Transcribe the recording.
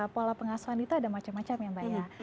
pola pengasuhan itu ada macam macam ya mbak ya